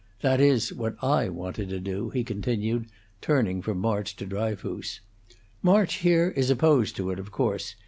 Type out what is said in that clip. That is, what I wanted to do," he continued, turning from March to Dryfoos. "March, here, is opposed to it, of course.